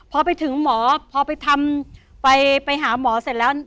พอไปถึงหมอพอไปทำไปหาหมอเสร็จแล้ว